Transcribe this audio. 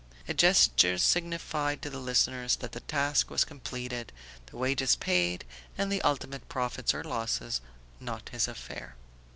A gesture signified to the listeners that the task was completed, the wages paid and the ultimate profits or losses not his affair.